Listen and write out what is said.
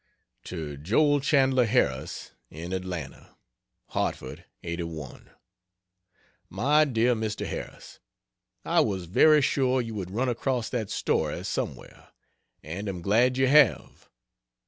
To Joel Chandler Harris, in Atlanta: HARTFORD, '81. MY DEAR MR. HARRIS, I was very sure you would run across that Story somewhere, and am glad you have.